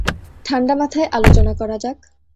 ঠান্ডা মাথায় আলোচনা করা যাক।